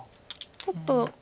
ちょっと。